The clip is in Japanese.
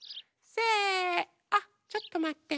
せあちょっとまって。